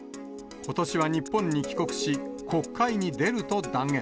ことしは日本に帰国し、国会に出ると断言。